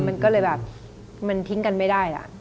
มันก็เลยแบบมันทิ้งกันไม่ได้ล่ะ